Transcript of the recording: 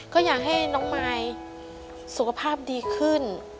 ก็อยากให้น้องมายสุขภาพดีขึ้น